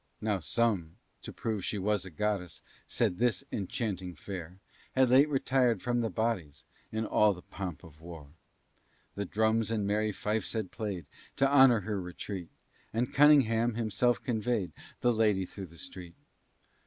Now some, to prove she was a goddess, Said this enchanting fair Had late retirèd from the Bodies In all the pomp of war. The drums and merry fifes had play'd To honor her retreat, And Cunningham himself convey'd The lady through the street.